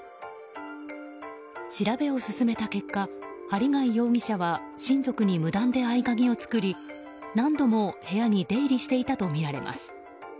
調べを進めた結果、針谷容疑者は親族に無断で合鍵を作り何度も部屋に出入りしていたとみられます。